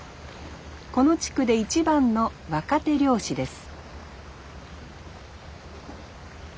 この地区で一番の若手漁師です